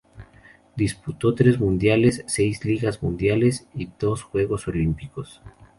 Disputó tres Mundiales, seis Ligas Mundiales y dos Juegos Olímpicos.